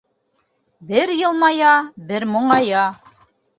Бер йылмая, бер моңая.